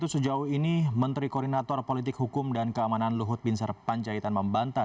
sejauh ini menteri koordinator politik hukum dan keamanan luhut bin sarpanjaitan membantah